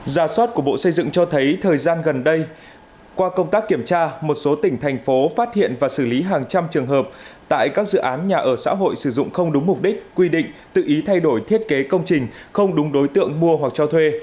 gia soát của bộ xây dựng cho thấy thời gian gần đây qua công tác kiểm tra một số tỉnh thành phố phát hiện và xử lý hàng trăm trường hợp tại các dự án nhà ở xã hội sử dụng không đúng mục đích quy định tự ý thay đổi thiết kế công trình không đúng đối tượng mua hoặc cho thuê